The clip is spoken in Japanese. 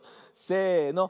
せの。